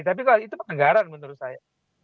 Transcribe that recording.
tapi kalau itu pelanggaran menurut saya